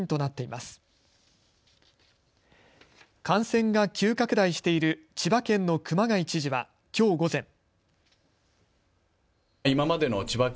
感染が急拡大している千葉県の熊谷知事は、きょう午前。